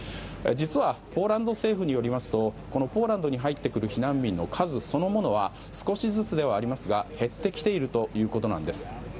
実はポーランド政府によりますとこのポーランドに入ってくる避難民の数そのものは少しずつではありますが減ってきているということなんです。